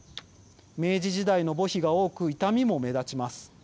明治時代の墓碑が多く傷みも目立ちます。